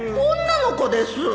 女の子です